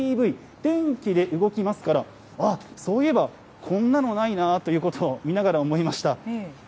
ＥＶ、電気で動きますから、あっ、そういえばこんなのないなということを見ながら思いました。